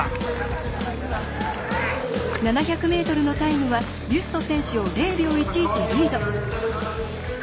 ７００ｍのタイムはビュスト選手を０秒１１リード。